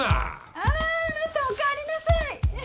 あらあなたおかえりなさい。